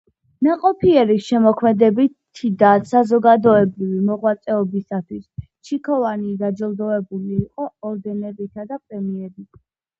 ნაყოფიერი შემოქმედებითი და საზოგადოებრივი მოღვაწეობისათვის ჩიქოვანი დაჯილდოებული იყო ორდენებითა და პრემიებით.